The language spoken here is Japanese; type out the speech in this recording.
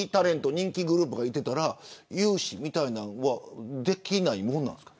人気グループがいたら融資みたいなものはできないもんなんですか。